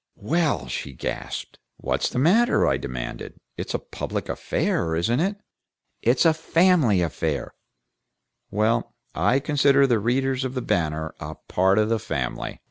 "Well!" she gasped. "What is the matter?" I demanded. "It's a public affair, isn't it?" "It's a family affair " "Well, I consider the readers of the Banner a part of the family."